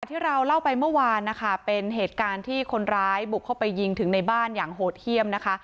ที่เราเล่าไปเมื่อวานนะคะเป็นเหตุการณ์ที่คนร้ายบุกเข้าไปยิงถึงในบ้านอย่างโหดเยี่ยมนะคะ